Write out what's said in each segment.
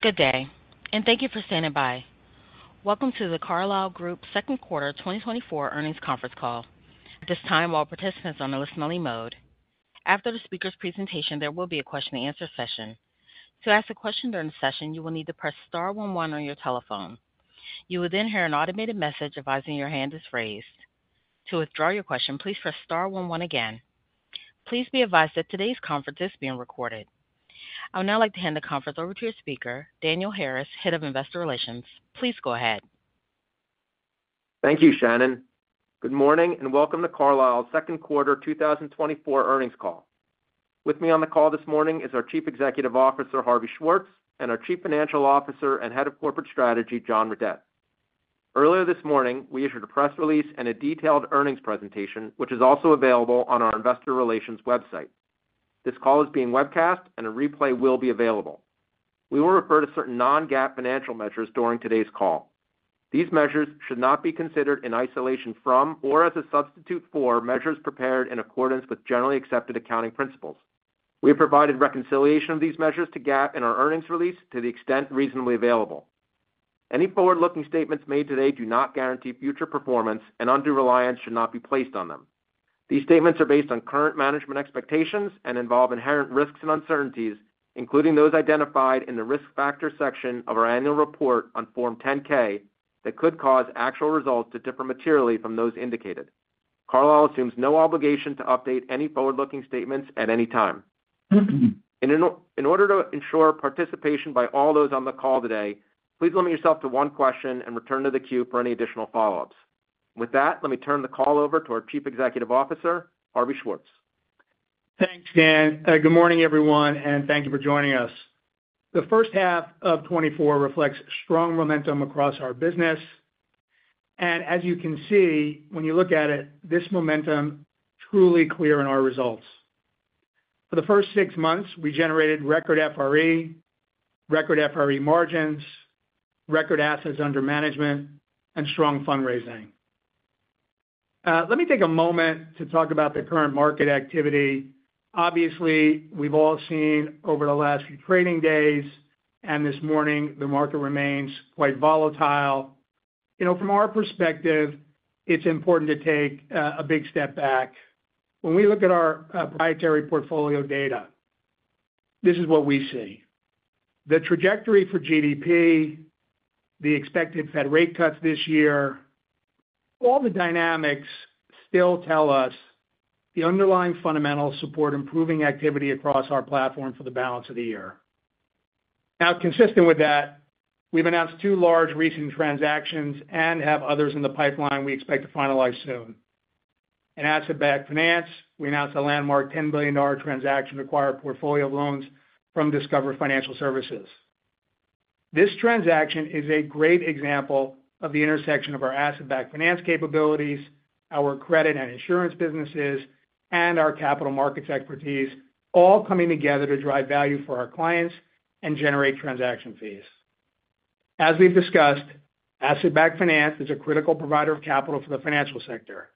Good day, and thank you for standing by. Welcome to The Carlyle Group Second Quarter 2024 Earnings Conference Call. At this time, all participants are on a listen-only mode. After the speaker's presentation, there will be a question-and-answer session. To ask a question during the session, you will need to press star one one on your telephone. You will then hear an automated message advising your hand is raised. To withdraw your question, please press star one one again. Please be advised that today's conference is being recorded. I would now like to hand the conference over to your speaker, Daniel Harris, Head of Investor Relations. Please go ahead. Thank you, Shannon. Good morning and welcome to Carlyle's second quarter 2024 earnings call. With me on the call this morning is our Chief Executive Officer, Harvey Schwartz, and our Chief Financial Officer and Head of Corporate Strategy, John Redett. Earlier this morning, we issued a press release and a detailed earnings presentation, which is also available on our investor relations website. This call is being webcast, and a replay will be available. We will refer to certain non-GAAP financial measures during today's call. These measures should not be considered in isolation from or as a substitute for measures prepared in accordance with generally accepted accounting principles. We have provided reconciliation of these measures to GAAP in our earnings release to the extent reasonably available. Any forward-looking statements made today do not guarantee future performance, and undue reliance should not be placed on them. These statements are based on current management expectations and involve inherent risks and uncertainties, including those identified in the risk factor section of our annual report on Form 10-K that could cause actual results to differ materially from those indicated. Carlyle assumes no obligation to update any forward-looking statements at any time. In order to ensure participation by all those on the call today, please limit yourself to one question and return to the queue for any additional follow-ups. With that, let me turn the call over to our Chief Executive Officer, Harvey Schwartz. Thanks, Dan. Good morning, everyone, and thank you for joining us. The first half of 2024 reflects strong momentum across our business. As you can see, when you look at it, this momentum is truly clear in our results. For the first six months, we generated record FRE, record FRE margins, record assets under management, and strong fundraising. Let me take a moment to talk about the current market activity. Obviously, we've all seen over the last few trading days, and this morning, the market remains quite volatile. From our perspective, it's important to take a big step back. When we look at our proprietary portfolio data, this is what we see. The trajectory for GDP, the expected Fed rate cuts this year, all the dynamics still tell us the underlying fundamentals support improving activity across our platform for the balance of the year. Now, consistent with that, we've announced two large recent transactions and have others in the pipeline we expect to finalize soon. In asset-backed finance, we announced a landmark $10 billion transaction to acquire a portfolio of loans from Discover Financial Services. This transaction is a great example of the intersection of our asset-backed finance capabilities, our credit and insurance businesses, and our capital markets expertise, all coming together to drive value for our clients and generate transaction fees. As we've discussed, asset-backed finance is a critical provider of capital for the financial sector.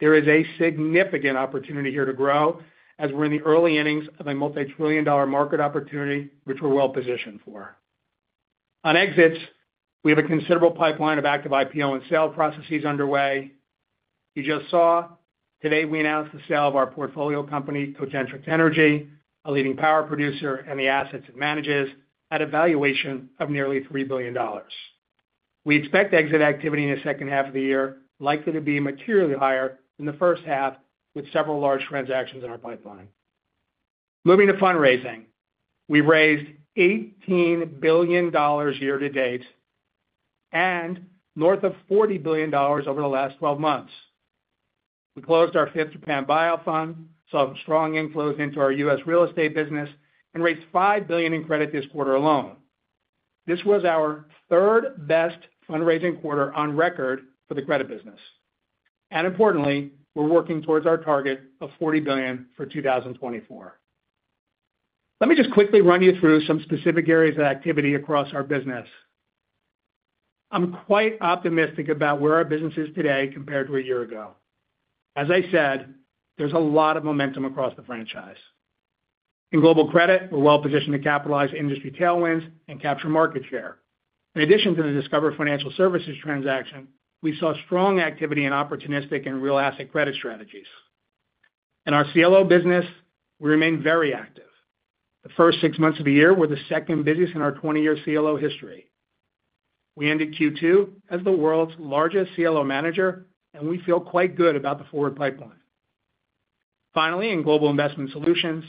There is a significant opportunity here to grow as we're in the early innings of a multi-trillion-dollar market opportunity, which we're well positioned for. On exits, we have a considerable pipeline of active IPO and sale processes underway. You just saw, today we announced the sale of our portfolio company, Cogentrix Energy, a leading power producer and the assets it manages, at a valuation of nearly $3 billion. We expect exit activity in the second half of the year likely to be materially higher than the first half, with several large transactions in our pipeline. Moving to fundraising, we've raised $18 billion year to date and north of $40 billion over the last 12 months. We closed our fifth Japan Buyout Fund, saw strong inflows into our U.S. real estate business, and raised $5 billion in credit this quarter alone. This was our third best fundraising quarter on record for the credit business. Importantly, we're working towards our target of $40 billion for 2024. Let me just quickly run you through some specific areas of activity across our business. I'm quite optimistic about where our business is today compared to a year ago. As I said, there's a lot of momentum across the franchise. In global credit, we're well positioned to capitalize industry tailwinds and capture market share. In addition to the Discover Financial Services transaction, we saw strong activity in opportunistic and real asset credit strategies. In our CLO business, we remain very active. The first six months of the year were the second busiest in our 20-year CLO history. We ended Q2 as the world's largest CLO manager, and we feel quite good about the forward pipeline. Finally, in global investment solutions,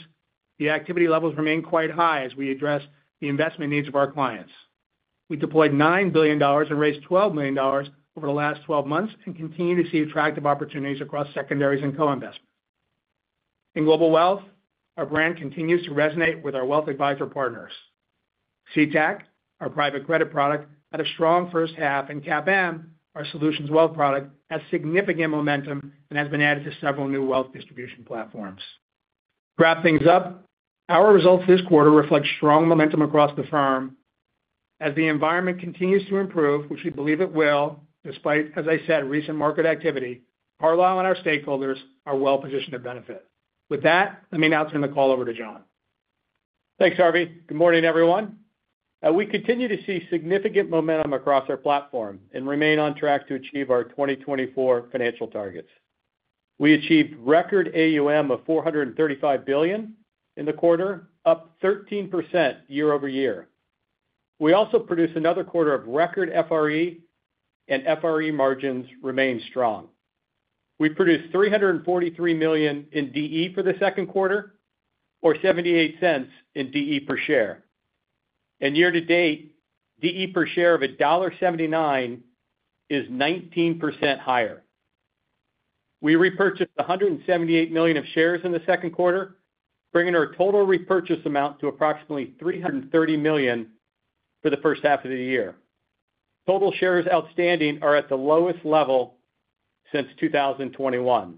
the activity levels remain quite high as we address the investment needs of our clients. We deployed $9 billion and raised $12 million over the last 12 months and continue to see attractive opportunities across secondaries and co-investments. In global wealth, our brand continues to resonate with our wealth advisor partners. CTAC, our private credit product, had a strong first half, and CAPM, our solutions wealth product, has significant momentum and has been added to several new wealth distribution platforms. To wrap things up, our results this quarter reflect strong momentum across the firm. As the environment continues to improve, which we believe it will, despite, as I said, recent market activity, Carlyle and our stakeholders are well positioned to benefit. With that, let me now turn the call over to John. Thanks, Harvey. Good morning, everyone. We continue to see significant momentum across our platform and remain on track to achieve our 2024 financial targets. We achieved record AUM of $435 billion in the quarter, up 13% year-over-year. We also produced another quarter of record FRE, and FRE margins remain strong. We produced $343 million in DE for the second quarter, or $0.78 in DE per share. And year to date, DE per share of $1.79 is 19% higher. We repurchased $178 million of shares in the second quarter, bringing our total repurchase amount to approximately $330 million for the first half of the year. Total shares outstanding are at the lowest level since 2021,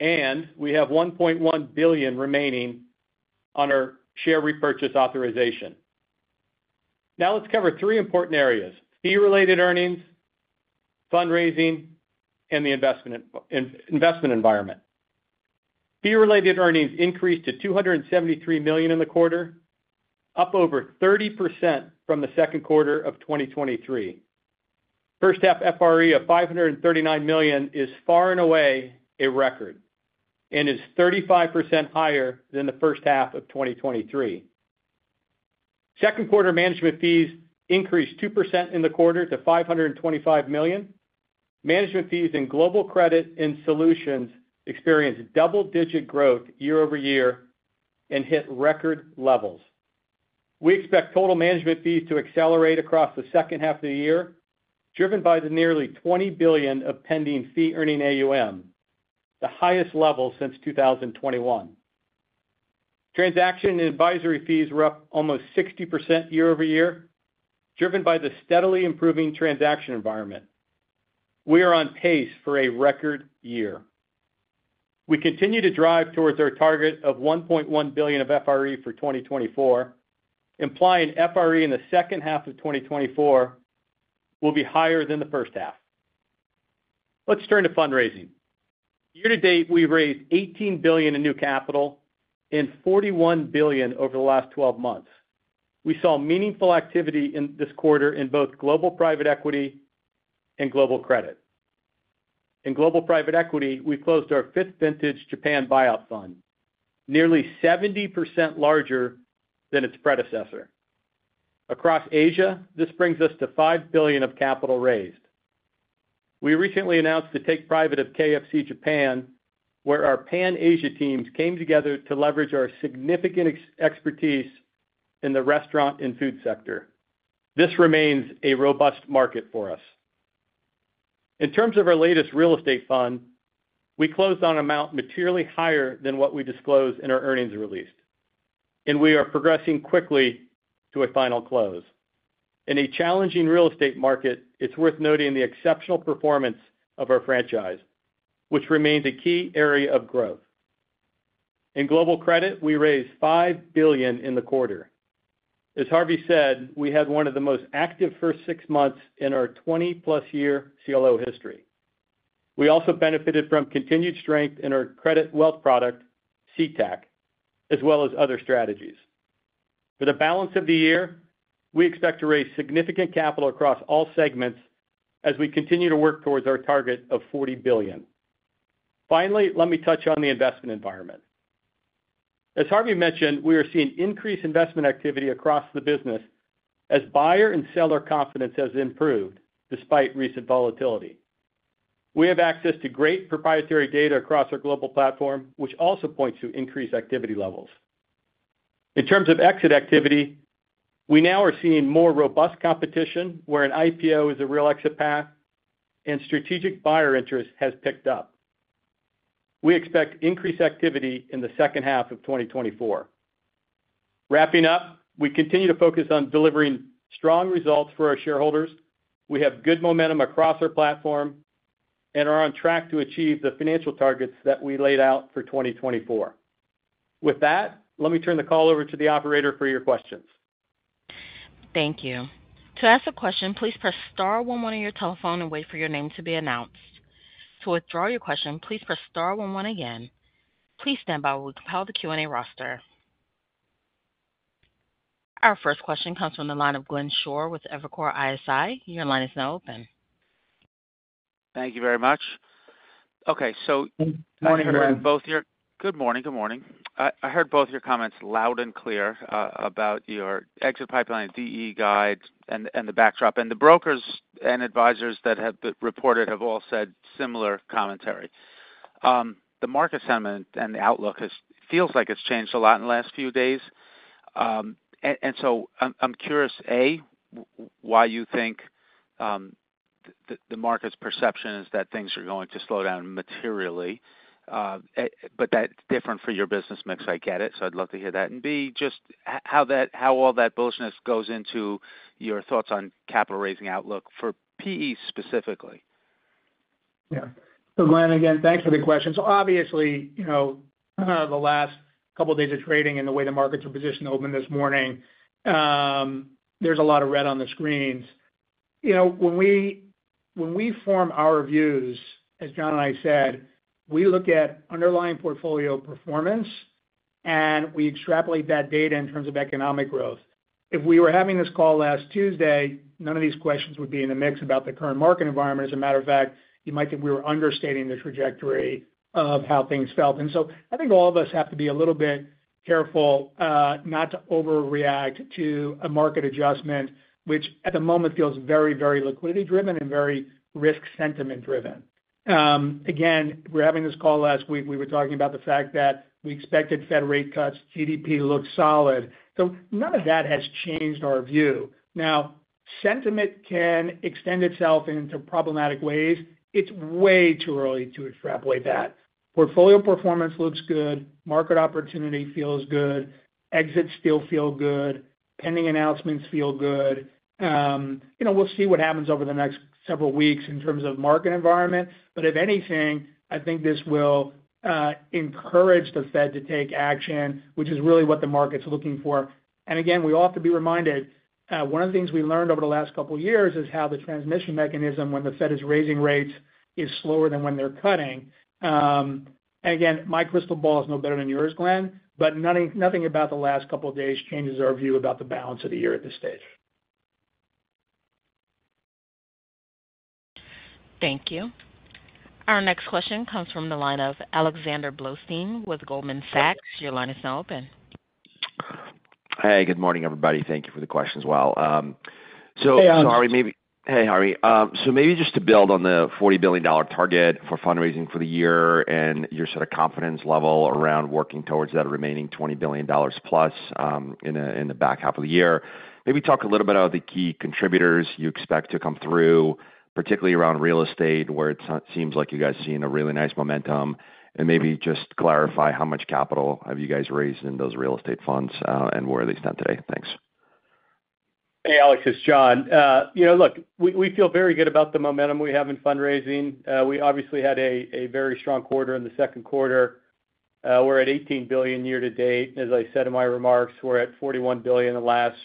and we have $1.1 billion remaining on our share repurchase authorization. Now, let's cover three important areas: fee-related earnings, fundraising, and the investment environment. Fee-related earnings increased to $273 million in the quarter, up over 30% from the second quarter of 2023. First-half FRE of $539 million is far and away a record and is 35% higher than the first half of 2023. Second-quarter management fees increased 2% in the quarter to $525 million. Management fees in global credit and solutions experienced double-digit growth year-over-year and hit record levels. We expect total management fees to accelerate across the second half of the year, driven by the nearly $20 billion of pending fee-earning AUM, the highest level since 2021. Transaction and advisory fees were up almost 60% year-over-year, driven by the steadily improving transaction environment. We are on pace for a record year. We continue to drive towards our target of $1.1 billion of FRE for 2024, implying FRE in the second half of 2024 will be higher than the first half. Let's turn to fundraising. Year to date, we raised $18 billion in new capital and $41 billion over the last 12 months. We saw meaningful activity this quarter in both global private equity and global credit. In global private equity, we closed our fifth vintage Japan buyout fund, nearly 70% larger than its predecessor. Across Asia, this brings us to $5 billion of capital raised. We recently announced the take-private of KFC Japan, where our Pan-Asia teams came together to leverage our significant expertise in the restaurant and food sector. This remains a robust market for us. In terms of our latest real estate fund, we closed on an amount materially higher than what we disclosed in our earnings release, and we are progressing quickly to a final close. In a challenging real estate market, it's worth noting the exceptional performance of our franchise, which remains a key area of growth. In global credit, we raised $5 billion in the quarter. As Harvey said, we had one of the most active first six months in our 20-plus year CLO history. We also benefited from continued strength in our credit wealth product, CTAC, as well as other strategies. For the balance of the year, we expect to raise significant capital across all segments as we continue to work towards our target of $40 billion. Finally, let me touch on the investment environment. As Harvey mentioned, we are seeing increased investment activity across the business as buyer and seller confidence has improved despite recent volatility. We have access to great proprietary data across our global platform, which also points to increased activity levels. In terms of exit activity, we now are seeing more robust competition, where an IPO is a real exit path, and strategic buyer interest has picked up. We expect increased activity in the second half of 2024. Wrapping up, we continue to focus on delivering strong results for our shareholders. We have good momentum across our platform and are on track to achieve the financial targets that we laid out for 2024. With that, let me turn the call over to the operator for your questions. Thank you. To ask a question, please press star one one on your telephone and wait for your name to be announced. To withdraw your question, please press star one one again. Please stand by while we compile the Q&A roster. Our first question comes from the line of Glenn Schorr with Evercore ISI. Your line is now open. Thank you very much. Okay, so good morning, good morning. I heard both your comments loud and clear about your exit pipeline, DE guide, and the backdrop. The brokers and advisors that have reported have all said similar commentary. The market sentiment and the outlook feels like it's changed a lot in the last few days. So I'm curious, A, why you think the market's perception is that things are going to slow down materially, but that's different for your business mix. I get it, so I'd love to hear that. B, just how all that bullishness goes into your thoughts on capital raising outlook for PE specifically. Yeah. So Glenn, again, thanks for the question. So obviously, the last couple of days of trading and the way the markets were positioned open this morning, there's a lot of red on the screens. When we form our views, as John and I said, we look at underlying portfolio performance, and we extrapolate that data in terms of economic growth. If we were having this call last Tuesday, none of these questions would be in the mix about the current market environment. As a matter of fact, you might think we were understating the trajectory of how things felt. And so I think all of us have to be a little bit careful not to overreact to a market adjustment, which at the moment feels very, very liquidity-driven and very risk sentiment-driven. Again, we were having this call last week. We were talking about the fact that we expected Fed rate cuts. GDP looked solid. So none of that has changed our view. Now, sentiment can extend itself into problematic ways. It's way too early to extrapolate that. Portfolio performance looks good. Market opportunity feels good. Exits still feel good. Pending announcements feel good. We'll see what happens over the next several weeks in terms of market environment. But if anything, I think this will encourage the Fed to take action, which is really what the market's looking for. And again, we all have to be reminded, one of the things we learned over the last couple of years is how the transmission mechanism when the Fed is raising rates is slower than when they're cutting. And again, my crystal ball is no better than yours, Glenn, but nothing about the last couple of days changes our view about the balance of the year at this stage. Thank you. Our next question comes from the line of Alexander Blostein with Goldman Sachs. Your line is now open. Hey, good morning, everybody. Thank you for the question as well. Hey, Harvey. So maybe just to build on the $40 billion target for fundraising for the year and your sort of confidence level around working towards that remaining $20 billion plus in the back half of the year, maybe talk a little bit about the key contributors you expect to come through, particularly around real estate, where it seems like you guys are seeing a really nice momentum, and maybe just clarify how much capital have you guys raised in those real estate funds and where are they standing today? Thanks. Hey, Alex, it's John. Look, we feel very good about the momentum we have in fundraising. We obviously had a very strong quarter in the second quarter. We're at $18 billion year to date. As I said in my remarks, we're at $41 billion in the last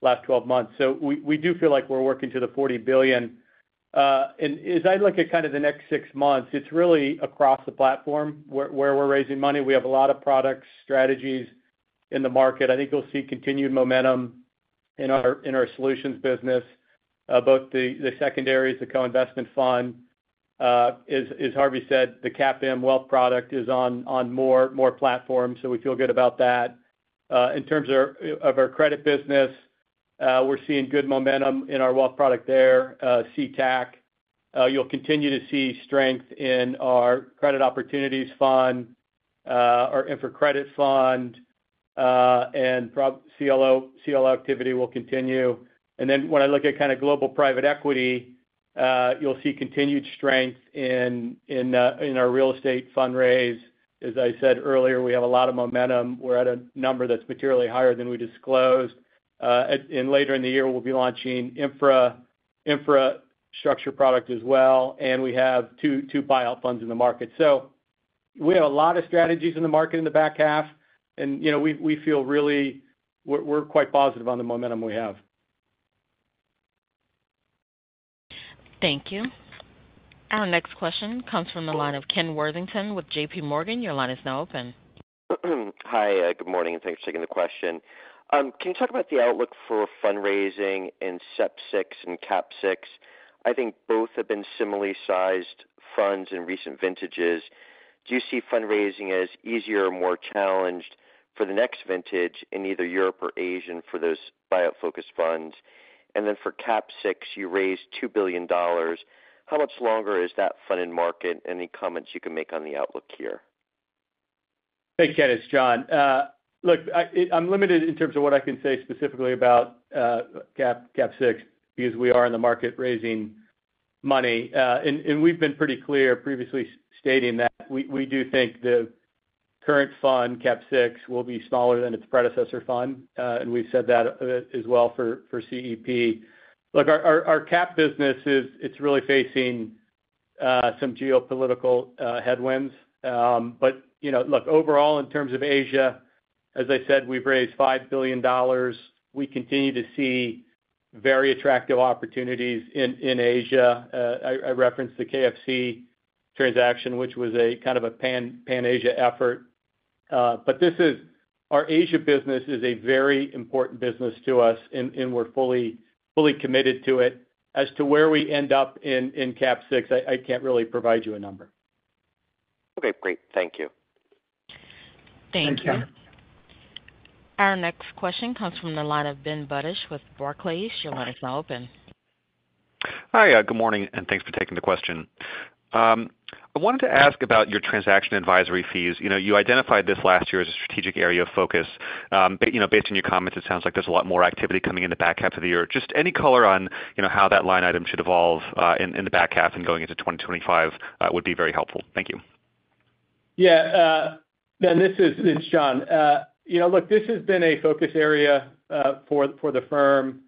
12 months. So we do feel like we're working to the $40 billion. And as I look at kind of the next six months, it's really across the platform where we're raising money. We have a lot of products, strategies in the market. I think you'll see continued momentum in our solutions business, both the secondaries, the co-investment fund. As Harvey said, the CAPM wealth product is on more platforms, so we feel good about that. In terms of our credit business, we're seeing good momentum in our wealth product there, CTAC. You'll continue to see strength in our credit opportunities fund, our infra credit fund, and CLO activity will continue. And then when I look at kind of global private equity, you'll see continued strength in our real estate fundraise. As I said earlier, we have a lot of momentum. We're at a number that's materially higher than we disclosed. And later in the year, we'll be launching infrastructure product as well. And we have two buyout funds in the market. So we have a lot of strategies in the market in the back half. And we feel really we're quite positive on the momentum we have. Thank you. Our next question comes from the line of Ken Worthington with JPMorgan. Your line is now open. Hi, good morning, and thanks for taking the question. Can you talk about the outlook for fundraising in CEP 6 and CAP 6? I think both have been similarly sized funds in recent vintages. Do you see fundraising as easier or more challenged for the next vintage in either Europe or Asia for those buyout-focused funds? And then for CAP 6, you raised $2 billion. How much longer is that fund in market? Any comments you can make on the outlook here? Thanks, Kenneth. It's John. Look, I'm limited in terms of what I can say specifically about CAP 6 because we are in the market raising money. We've been pretty clear previously stating that we do think the current fund, CAP 6, will be smaller than its predecessor fund. We've said that as well for CEP. Look, our CAP business, it's really facing some geopolitical headwinds. Look, overall, in terms of Asia, as I said, we've raised $5 billion. We continue to see very attractive opportunities in Asia. I referenced the KFC transaction, which was a kind of a Pan-Asia effort. Our Asia business is a very important business to us, and we're fully committed to it. As to where we end up in CAP 6, I can't really provide you a number. Okay, great. Thank you. Thank you. Our next question comes from the line of Ben Budish with Barclays. Your line is now open. Hi, good morning, and thanks for taking the question. I wanted to ask about your transaction advisory fees. You identified this last year as a strategic area of focus. Based on your comments, it sounds like there's a lot more activity coming in the back half of the year. Just any color on how that line item should evolve in the back half and going into 2025 would be very helpful. Thank you. Yeah. This is John. Look, this has been a focus area for the firm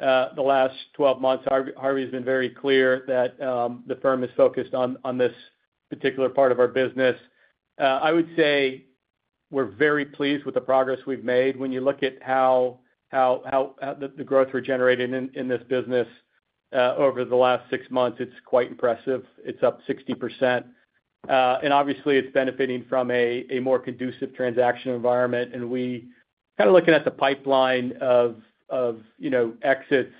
the last 12 months. Harvey has been very clear that the firm is focused on this particular part of our business. I would say we're very pleased with the progress we've made. When you look at how the growth we're generating in this business over the last six months, it's quite impressive. It's up 60%. And obviously, it's benefiting from a more conducive transaction environment. And we're kind of looking at the pipeline of exits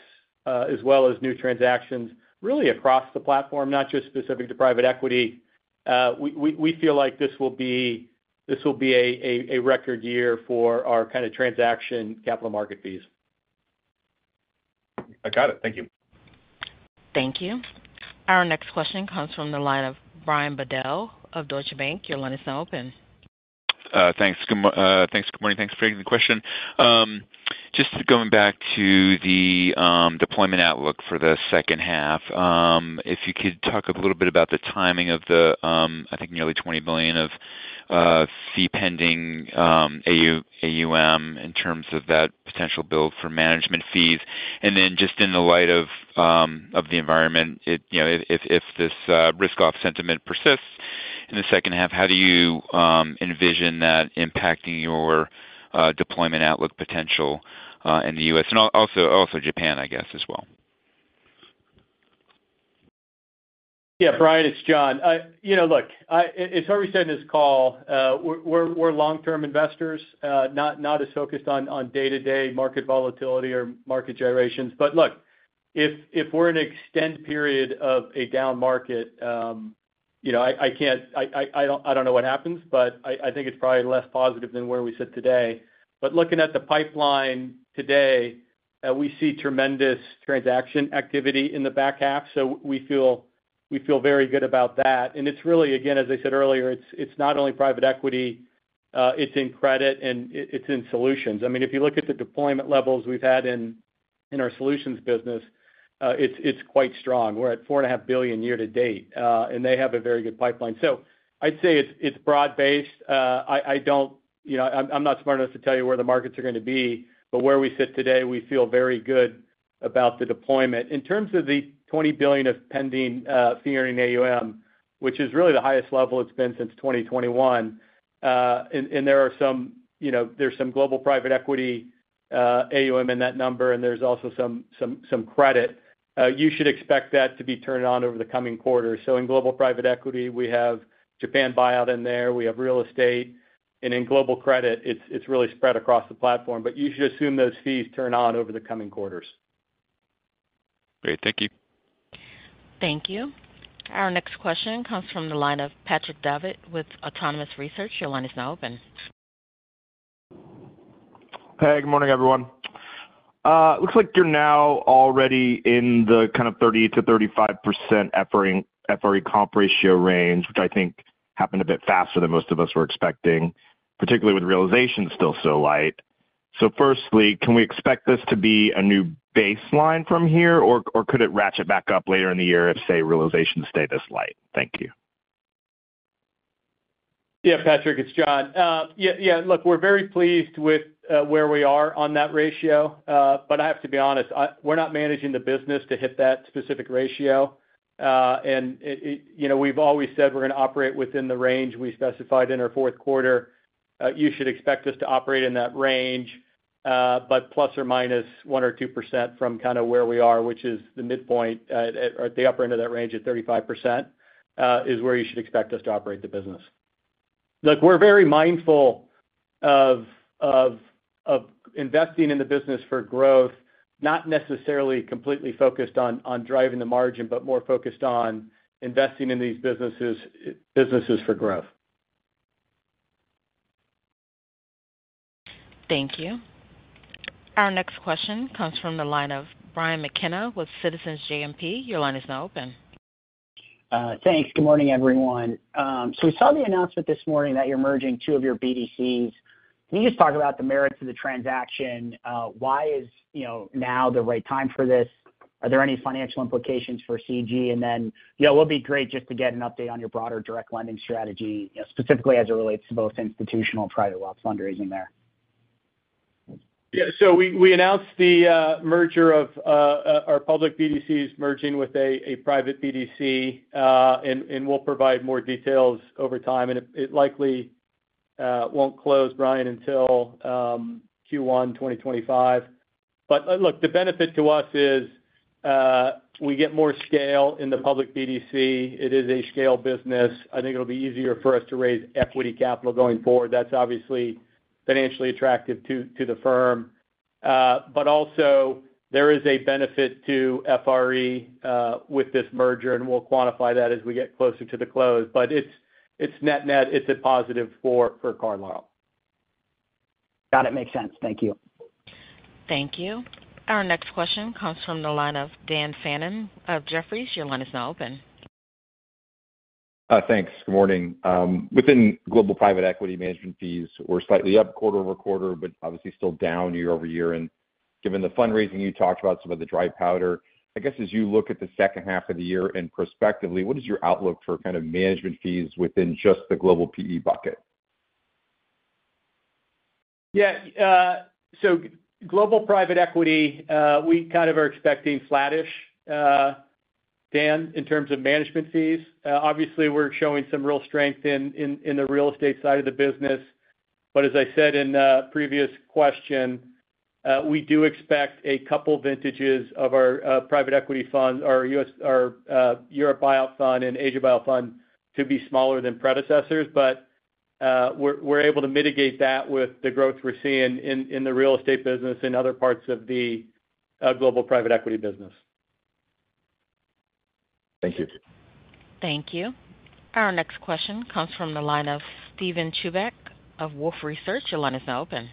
as well as new transactions really across the platform, not just specific to private equity. We feel like this will be a record year for our kind of transaction capital market fees. I got it. Thank you. Thank you. Our next question comes from the line of Brian Bedell of Deutsche Bank. Your line is now open. Thanks. Good morning. Thanks for taking the question. Just going back to the deployment outlook for the second half, if you could talk a little bit about the timing of the, I think, nearly $20 billion of fee-pending AUM in terms of that potential build for management fees. And then just in the light of the environment, if this risk-off sentiment persists in the second half, how do you envision that impacting your deployment outlook potential in the U.S. and also Japan, I guess, as well? Yeah, Brian, it's John. Look, as Harvey said in this call, we're long-term investors, not as focused on day-to-day market volatility or market gyrations. But look, if we're in an extended period of a down market, I don't know what happens, but I think it's probably less positive than where we sit today. But looking at the pipeline today, we see tremendous transaction activity in the back half. So we feel very good about that. And it's really, again, as I said earlier, it's not only private equity. It's in credit, and it's in solutions. I mean, if you look at the deployment levels we've had in our solutions business, it's quite strong. We're at $4.5 billion year to date, and they have a very good pipeline. So I'd say it's broad-based. I'm not smart enough to tell you where the markets are going to be, but where we sit today, we feel very good about the deployment. In terms of the $20 billion of pending fee-earning AUM, which is really the highest level it's been since 2021, and there are some global private equity AUM in that number, and there's also some credit, you should expect that to be turned on over the coming quarter. So in global private equity, we have Japan buyout in there. We have real estate. And in global credit, it's really spread across the platform. But you should assume those fees turn on over the coming quarters. Great. Thank you. Thank you. Our next question comes from the line of Patrick Davitt with Autonomous Research. Your line is now open. Hey, good morning, everyone. Looks like you're now already in the kind of 30%-35% FRE comp ratio range, which I think happened a bit faster than most of us were expecting, particularly with realization still so light. So firstly, can we expect this to be a new baseline from here, or could it ratchet back up later in the year if, say, realization stayed this light? Thank you. Yeah, Patrick, it's John. Yeah, look, we're very pleased with where we are on that ratio. But I have to be honest, we're not managing the business to hit that specific ratio. And we've always said we're going to operate within the range we specified in our fourth quarter. You should expect us to operate in that range, but plus or minus 1 or 2% from kind of where we are, which is the midpoint or the upper end of that range at 35% is where you should expect us to operate the business. Look, we're very mindful of investing in the business for growth, not necessarily completely focused on driving the margin, but more focused on investing in these businesses for growth. Thank you. Our next question comes from the line of Brian McKenna with Citizens JMP. Your line is now open. Thanks. Good morning, everyone. We saw the announcement this morning that you're merging two of your BDCs. Can you just talk about the merits of the transaction? Why is now the right time for this? Are there any financial implications for CG? And then it would be great just to get an update on your broader direct lending strategy, specifically as it relates to both institutional and private wealth fundraising there. Yeah. So we announced the merger of our public BDCs merging with a private BDC, and we'll provide more details over time. And it likely won't close, Brian, until Q1 2025. But look, the benefit to us is we get more scale in the public BDC. It is a scale business. I think it'll be easier for us to raise equity capital going forward. That's obviously financially attractive to the firm. But also, there is a benefit to FRE with this merger, and we'll quantify that as we get closer to the close. But it's net-net. It's a positive for Carlyle. Got it. Makes sense. Thank you. Thank you. Our next question comes from the line of Dan Fannon of Jefferies. Your line is now open. Thanks. Good morning. Within global private equity management fees, we're slightly up quarter-over-quarter, but obviously still down year-over-year. Given the fundraising you talked about, some of the dry powder, I guess as you look at the second half of the year and prospectively, what is your outlook for kind of management fees within just the global PE bucket? Yeah. So global private equity, we kind of are expecting flattish, Dan, in terms of management fees. Obviously, we're showing some real strength in the real estate side of the business. But as I said in the previous question, we do expect a couple vintages of our private equity fund, our Europe buyout fund and Asia buyout fund to be smaller than predecessors. But we're able to mitigate that with the growth we're seeing in the real estate business and other parts of the global private equity business. Thank you. Thank you. Our next question comes from the line of Steven Chubak of Wolfe Research. Your line is now open.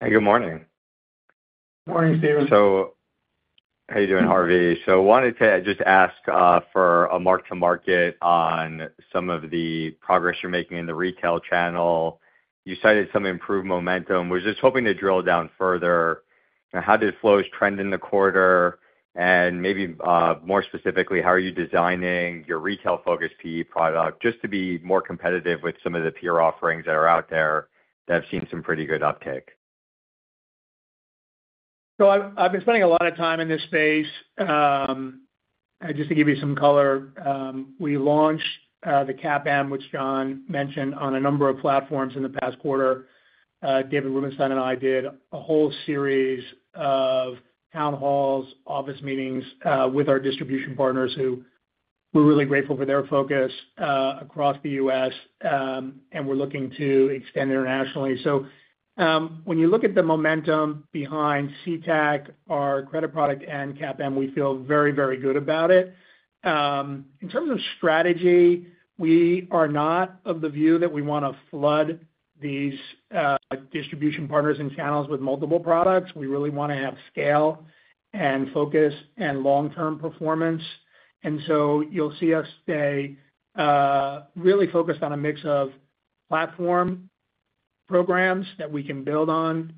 Hey, good morning. Morning, Steven. So how are you doing, Harvey? So I wanted to just ask for a mark-to-market on some of the progress you're making in the retail channel. You cited some improved momentum. We're just hoping to drill down further. How did flows trend in the quarter? And maybe more specifically, how are you designing your retail-focused PE product just to be more competitive with some of the peer offerings that are out there that have seen some pretty good uptake? So I've been spending a lot of time in this space. Just to give you some color, we launched the CAPM, which John mentioned, on a number of platforms in the past quarter. David Rubenstein and I did a whole series of town halls, office meetings with our distribution partners who we're really grateful for their focus across the U.S., and we're looking to extend internationally. So when you look at the momentum behind CTAC, our credit product, and CAPM, we feel very, very good about it. In terms of strategy, we are not of the view that we want to flood these distribution partners and channels with multiple products. We really want to have scale and focus and long-term performance. And so you'll see us stay really focused on a mix of platform programs that we can build on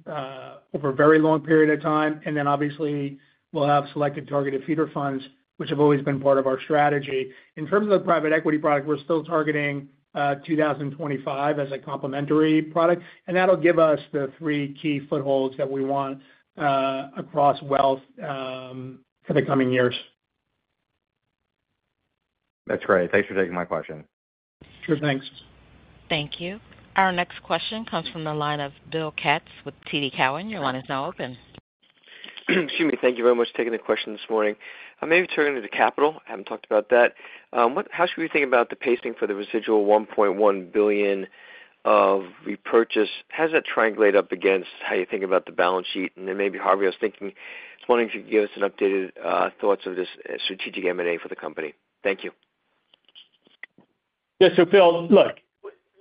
over a very long period of time. And then obviously, we'll have selected targeted feeder funds, which have always been part of our strategy. In terms of the private equity product, we're still targeting 2025 as a complementary product. And that'll give us the three key footholds that we want across wealth for the coming years. That's great. Thanks for taking my question. Sure. Thanks. Thank you. Our next question comes from the line of Bill Katz with TD Cowen. Your line is now open. Excuse me. Thank you very much for taking the question this morning. I may be turning to capital. I haven't talked about that. How should we think about the pacing for the residual $1.1 billion of repurchase? How does that triangulate up against how you think about the balance sheet? And then maybe Harvey was thinking he's wanting to give us an updated thoughts of this strategic M&A for the company. Thank you. Yeah. So Bill, look,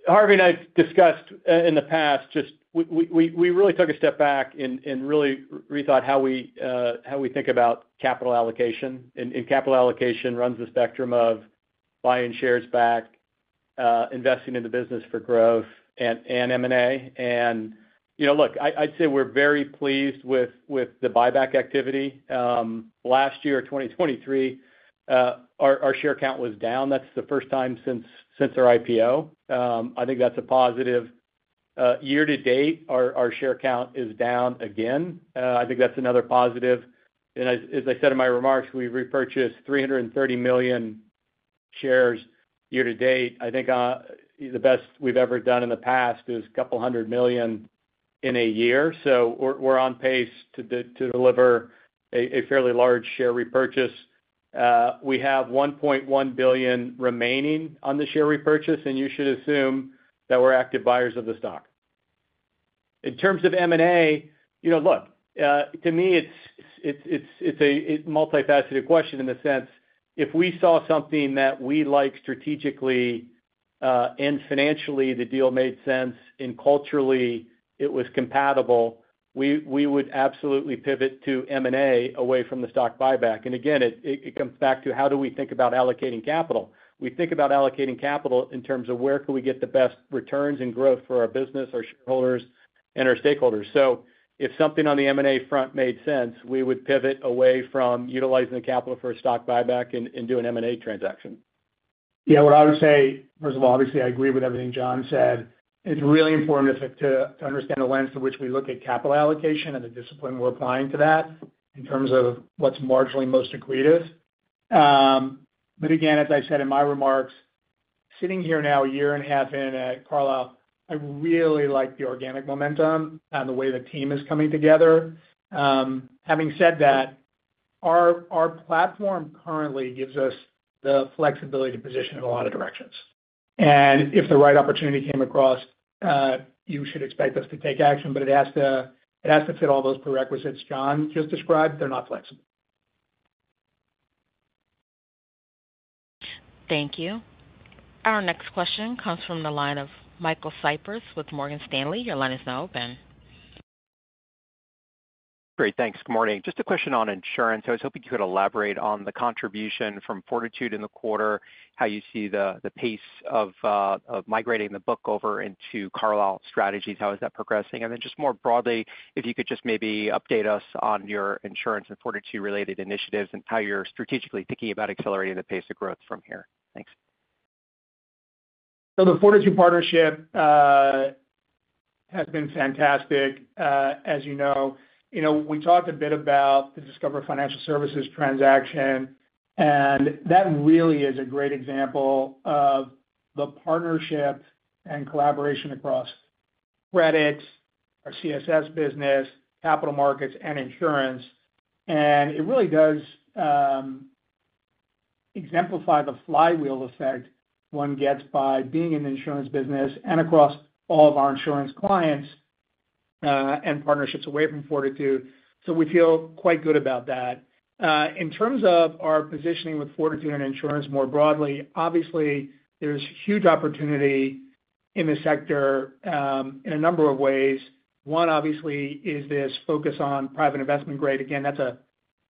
Harvey and I've discussed in the past, just we really took a step back and really rethought how we think about capital allocation. And capital allocation runs the spectrum of buying shares back, investing in the business for growth, and M&A. And look, I'd say we're very pleased with the buyback activity. Last year, 2023, our share count was down. That's the first time since our IPO. I think that's a positive. Year to date, our share count is down again. I think that's another positive. And as I said in my remarks, we've repurchased 330 million shares year to date. I think the best we've ever done in the past is 200 million in a year. So we're on pace to deliver a fairly large share repurchase. We have $1.1 billion remaining on the share repurchase, and you should assume that we're active buyers of the stock. In terms of M&A, look, to me, it's a multifaceted question in the sense if we saw something that we like strategically and financially, the deal made sense, and culturally, it was compatible, we would absolutely pivot to M&A away from the stock buyback. And again, it comes back to how do we think about allocating capital? We think about allocating capital in terms of where can we get the best returns and growth for our business, our shareholders, and our stakeholders. So if something on the M&A front made sense, we would pivot away from utilizing the capital for a stock buyback and do an M&A transaction. Yeah. What I would say, first of all, obviously, I agree with everything John said. It's really important to understand the lens through which we look at capital allocation and the discipline we're applying to that in terms of what's marginally most accretive. But again, as I said in my remarks, sitting here now a year and a half in at Carlyle, I really like the organic momentum and the way the team is coming together. Having said that, our platform currently gives us the flexibility to position in a lot of directions. And if the right opportunity came across, you should expect us to take action. But it has to fit all those prerequisites John just described. They're not flexible. Thank you. Our next question comes from the line of Michael Cyprys with Morgan Stanley. Your line is now open. Great. Thanks. Good morning. Just a question on insurance. I was hoping you could elaborate on the contribution from Fortitude in the quarter, how you see the pace of migrating the book over into Carlyle strategies, how is that progressing? And then just more broadly, if you could just maybe update us on your insurance and Fortitude-related initiatives and how you're strategically thinking about accelerating the pace of growth from here. Thanks. The Fortitude partnership has been fantastic. As you know, we talked a bit about the Discover Financial Services transaction, and that really is a great example of the partnership and collaboration across credits, our CSS business, capital markets, and insurance. It really does exemplify the flywheel effect one gets by being in the insurance business and across all of our insurance clients and partnerships away from Fortitude. We feel quite good about that. In terms of our positioning with Fortitude and insurance more broadly, obviously, there's huge opportunity in the sector in a number of ways. One, obviously, is this focus on private investment grade. Again, that's a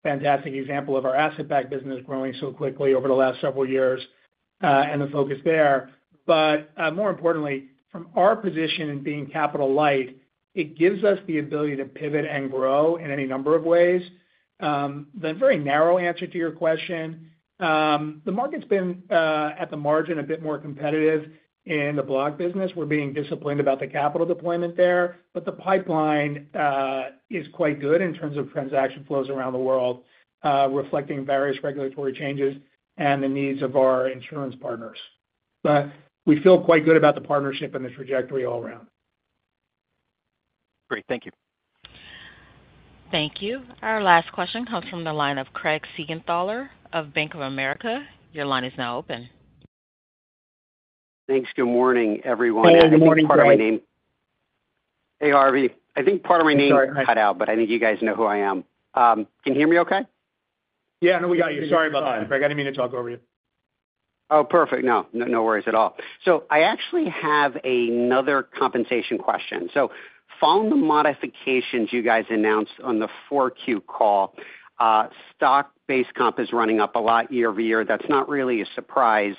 fantastic example of our asset-backed business growing so quickly over the last several years and the focus there. But more importantly, from our position and being capital-light, it gives us the ability to pivot and grow in any number of ways. The very narrow answer to your question, the market's been at the margin a bit more competitive in the block business. We're being disciplined about the capital deployment there. But the pipeline is quite good in terms of transaction flows around the world, reflecting various regulatory changes and the needs of our insurance partners. But we feel quite good about the partnership and the trajectory all around. Great. Thank you. Thank you. Our last question comes from the line of Craig Siegenthaler of Bank of America. Your line is now open. Thanks. Good morning, everyone. Good morning. I think part of my name Hey, Harvey. I think part of my name cut out, but I think you guys know who I am. Can you hear me okay? Yeah. No, we got you. Sorry about that. I didn't mean to talk over you. Oh, perfect. No, no worries at all. So I actually have another compensation question. So following the modifications you guys announced on the Q4 call, stock-based comp is running up a lot year-over-year. That's not really a surprise.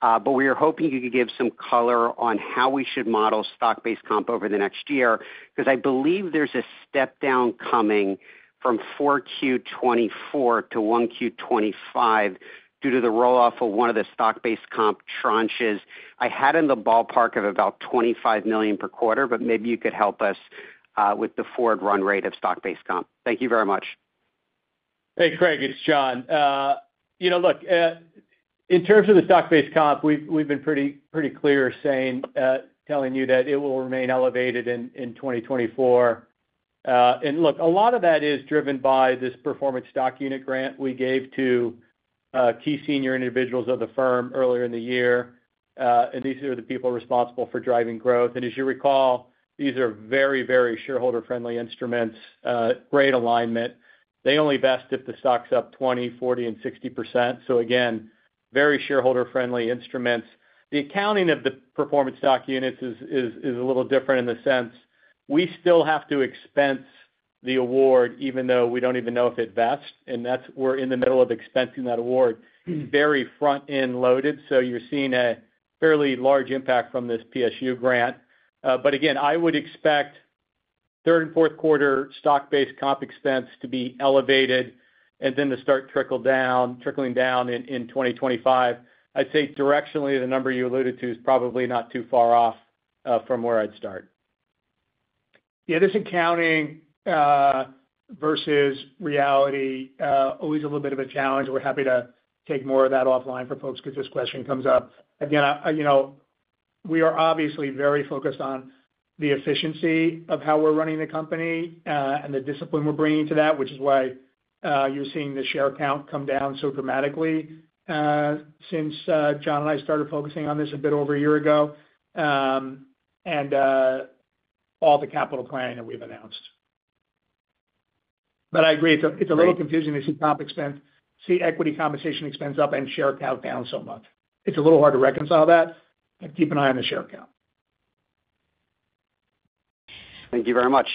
But we are hoping you could give some color on how we should model stock-based comp over the next year because I believe there's a step down coming from Q4 2024 to 1Q 2025 due to the rolloff of one of the stock-based comp tranches. I had in the ballpark of about $25 million per quarter, but maybe you could help us with the forward run rate of stock-based comp. Thank you very much. Hey, Craig. It's John. Look, in terms of the stock-based comp, we've been pretty clear telling you that it will remain elevated in 2024. Look, a lot of that is driven by this performance stock unit grant we gave to key senior individuals of the firm earlier in the year. These are the people responsible for driving growth. As you recall, these are very, very shareholder-friendly instruments, great alignment. They only vest if the stock's up 20%, 40%, and 60%. Again, very shareholder-friendly instruments. The accounting of the performance stock units is a little different in the sense we still have to expense the award even though we don't even know if it vests. We're in the middle of expensing that award. It's very front-end loaded. You're seeing a fairly large impact from this PSU grant. But again, I would expect third and fourth quarter stock-based comp expense to be elevated and then to start trickling down in 2025. I'd say directionally, the number you alluded to is probably not too far off from where I'd start. Yeah. This accounting versus reality is always a little bit of a challenge. We're happy to take more of that offline for folks because this question comes up. Again, we are obviously very focused on the efficiency of how we're running the company and the discipline we're bringing to that, which is why you're seeing the share count come down so dramatically since John and I started focusing on this a bit over a year ago and all the capital planning that we've announced. But I agree. It's a little confusing to see equity compensation expense up and share count down so much. It's a little hard to reconcile that. Keep an eye on the share count. Thank you very much.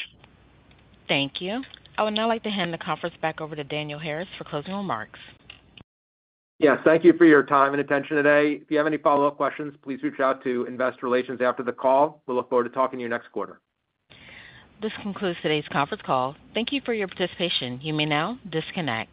Thank you. I would now like to hand the conference back over to Daniel Harris for closing remarks. Yeah. Thank you for your time and attention today. If you have any follow-up questions, please reach out to Investor Relations after the call. We'll look forward to talking to you next quarter. This concludes today's conference call. Thank you for your participation. You may now disconnect.